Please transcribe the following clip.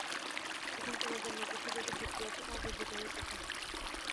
এখন পুনর্জন্মের পক্ষে যে-সব যুক্তি আছে, তাহা বিবৃত হইতেছে।